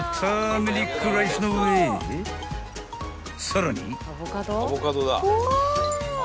［さらに］